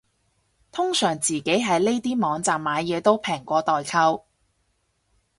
通常自己喺呢啲網站買嘢都平過代購